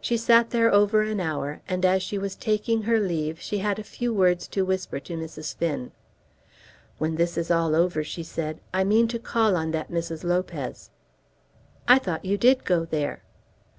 She sat there over an hour, and as she was taking her leave she had a few words to whisper to Mrs. Finn. "When this is all over," she said, "I mean to call on that Mrs. Lopez." "I thought you did go there."